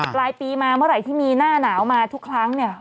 ปลายปีมาเมื่อไหร่ที่มีหน้าหนาวมาทุกครั้งเนี่ย